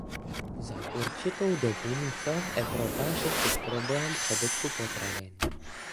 Za určitou dobu musela Evropa řešit problém přebytku potravin.